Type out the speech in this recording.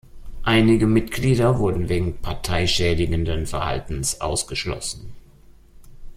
Einige Mitglieder wurden wegen Partei schädigenden Verhaltens ausgeschlossen.